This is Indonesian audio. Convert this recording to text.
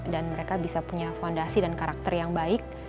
dan mereka bisa punya fondasi dan karakter yang baik